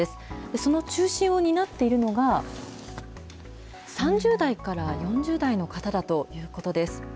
その中心を担っているのが、３０代から４０代の方だということです。